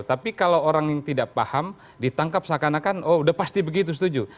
tapi kalau orang yang tidak paham ditangkap seakan akan oh udah pasti begitu setuju